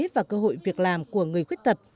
và cơ hội việc làm của người khuyết tật